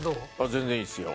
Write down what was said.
全然いいですよ。